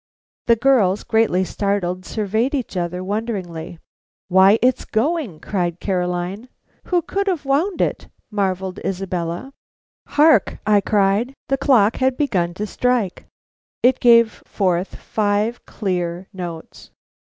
The girls, greatly startled, surveyed each other wonderingly. "Why, it's going!" cried Caroline. "Who could have wound it!" marvelled Isabella. "Hark!" I cried. The clock had begun to strike. It gave forth five clear notes.